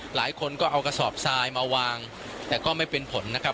หลายคนก็เอากระสอบทรายมาวางแต่ก็ไม่เป็นผลนะครับ